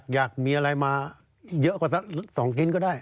อยากมีอะไรมาเยอะกว่าสัก๒ชิ้นก็ได้